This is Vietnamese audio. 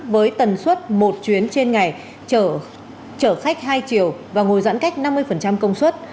với tần suất một chuyến trên ngày chở khách hai chiều và ngồi giãn cách năm mươi công suất